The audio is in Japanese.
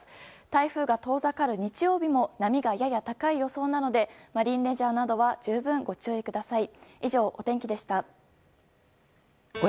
台風が遠ざかる日曜日も波がやや高い予想なのでマリンレジャーなどは十分ご注意ください。